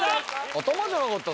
頭じゃなかった？